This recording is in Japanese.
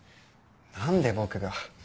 なんで僕が。